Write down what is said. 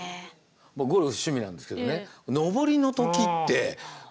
僕ゴルフが趣味なんですけどね